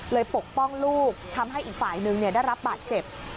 ปกป้องลูกทำให้อีกฝ่ายนึงได้รับบาดเจ็บ